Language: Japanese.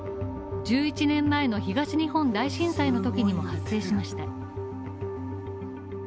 １１年前の東日本大震災のときにも発生しました。